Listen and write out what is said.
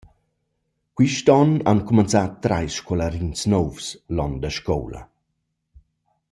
Quist on han cumanzà trais scolarins nouvs l’on da scoula.